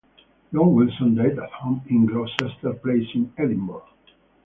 John Wilson died at home in Gloucester Place in Edinburgh.